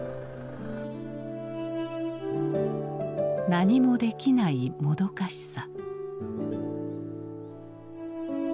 何もできないもどかしさ。